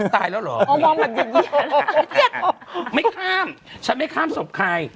อ๋อตายแล้วเหรออ๋อมองมันเหยียดเหยียดไม่ข้ามฉันไม่ข้ามศพใคร